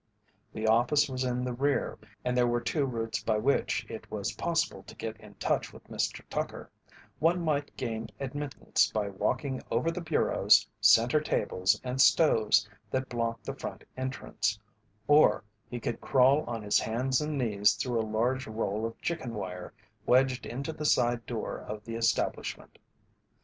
The office was in the rear and there were two routes by which it was possible to get in touch with Mr. Tucker: one might gain admittance by walking over the bureaus, centre tables, and stoves that blocked the front entrance, or he could crawl on his hands and knees through a large roll of chicken wire wedged into the side door of the establishment.